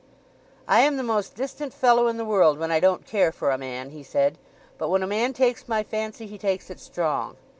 "I am the most distant fellow in the world when I don't care for a man," he said. "But when a man takes my fancy he takes it strong.